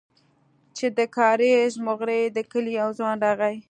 چې د کاريز موغري د کلي يو ځوان راغى.